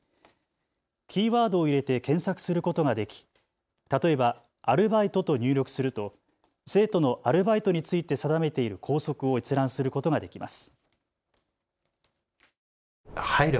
キーワードを入れて検索することができ、例えばアルバイトと入力すると生徒のアルバイトについて定めている校則を閲覧することができます。